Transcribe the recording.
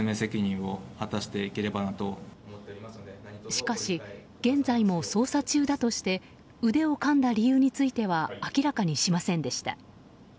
しかし、現在も捜査中だとして腕をかんだ理由については明らかにしませんでした。